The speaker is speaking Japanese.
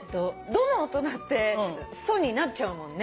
ドの音だってソになっちゃうもんね。